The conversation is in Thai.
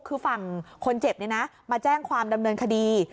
คือฝั่งคนเจ็บมาแจ้งความดำเนินคดี